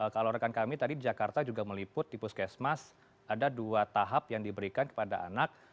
kalau rekan kami tadi di jakarta juga meliput di puskesmas ada dua tahap yang diberikan kepada anak